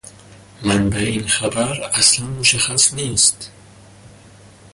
منبع این خبر اصلا مشخص نیست.